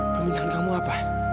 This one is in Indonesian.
permintaan kamu apa